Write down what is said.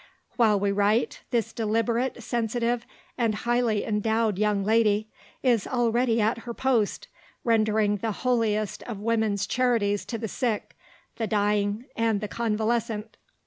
While we write, this deliberate, sensitive, and highly endowed young lady is already at her post, rendering the holiest of women's charities to the sick, the dying, and the convalescent.